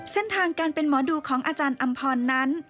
เส้นทางการเป็นหมอดูของอาจารย์อำพรนั้น